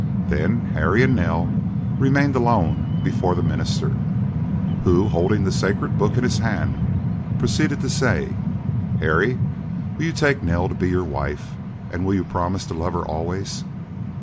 Then Harry and Nell remained alone before the minister, who, holding the sacred book in his hand, proceeded to say, "Harry, will you take Nell to be your wife, and will you promise to love her always?"